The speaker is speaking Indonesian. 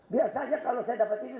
biasanya kalau saya dapat ini